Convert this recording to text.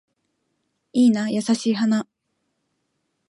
いいな優しい花